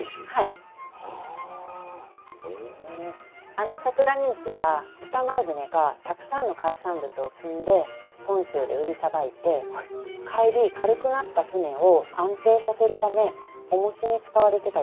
あの笏谷石は北前船がたくさんの海産物を積んで本州で売りさばいて帰り軽くなった船を安定させるためおもしに使われてた石なんです。